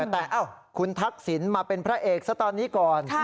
แต่คุณทักษิณมาเป็นพระเอกซะตอนนี้ก่อน